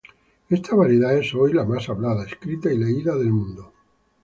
Esta variedad es hoy la más hablada, escrita y leída del mundo.